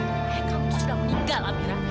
ayah kamu sudah meninggal amirah